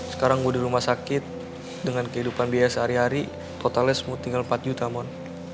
sekarang mau di rumah sakit dengan kehidupan biaya sehari hari totalnya tinggal empat juta mohon